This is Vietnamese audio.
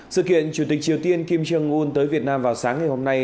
sự kiện chủ tịch triều tiên kim jong un tới việt nam vào sáng ngày hôm nay